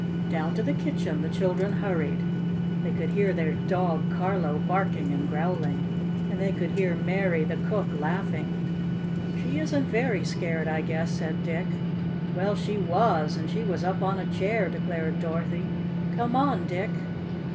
Down to the kitchen the children hurried. They could hear their dog Carlo barking and growling, and they could hear Mary, the cook, laughing. "She isn't very scared, I guess," said Dick. "Well, she was, and she was up on a chair," declared Dorothy. "Come on, Dick!"